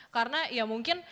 karena ya mungkin